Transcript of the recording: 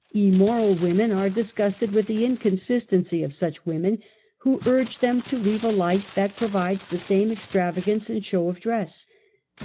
Immoral women are disgusted with the inconsistency of such women who urge them to leave a life that provides the same extravagance and show of dress.